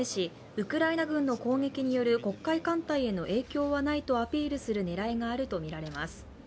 ウクライナ軍の攻撃による黒海艦隊への影響はないとアピールする狙いがあるとみられます。